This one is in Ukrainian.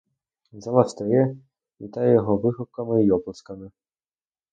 Зала встає, вітає його вигуками й оплесками.